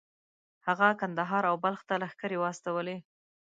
هغه کندهار او بلخ ته لښکرې واستولې.